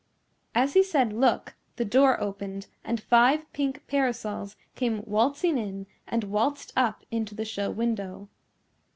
As he said "Look," the door opened and five pink parasols came waltzing in and waltzed up into the show window.